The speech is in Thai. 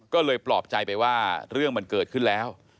ก็เลยปลอบใจไปว่าเรื่องมันเกิดขึ้นแล้ว